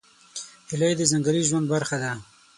هیلۍ د ځنګلي ژوند برخه ده